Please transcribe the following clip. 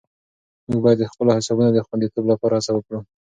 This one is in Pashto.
موږ باید د خپلو حسابونو د خوندیتوب لپاره هڅه وکړو.